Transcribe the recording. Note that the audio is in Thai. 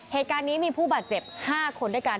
เหตุการณ์นี้มีผู้บาดเจ็บ๕คนด้วยกัน